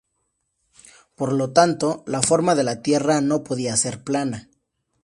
Por lo tanto, la forma de la Tierra no podía ser plana.